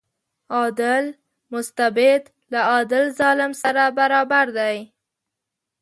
عادل مستبد له عادل ظالم سره برابر دی.